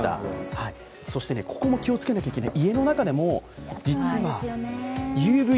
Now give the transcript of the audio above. そしてここも気をつけないといけない。